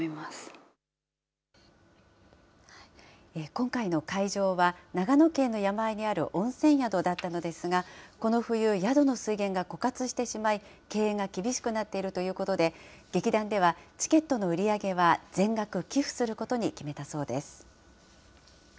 今回の会場は、長野県の山あいにある温泉宿だったのですが、この冬、宿の水源が枯渇してしまい、経営が厳しくなっているということで、劇団ではチケットの売り上げは全額寄付することに決めたそうです。